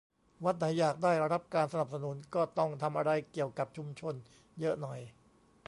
วัดไหนอยากได้รับการสนับสนุน ก็ต้องทำอะไรเกี่ยวกับชุมชนเยอะหน่อย